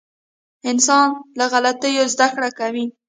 • انسان له غلطیو زده کړه کوي.